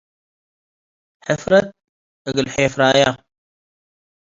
ሕፍረት እግል ሔፍራያ።